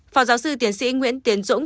phòng giáo sư tiến sĩ nguyễn tiến dũng